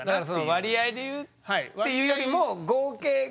割合でいうっていうよりも合計が。